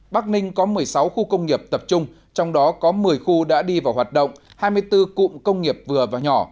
bắc ninh có một mươi sáu khu công nghiệp tập trung trong đó có một mươi khu đã đi vào hoạt động hai mươi bốn cụm công nghiệp vừa và nhỏ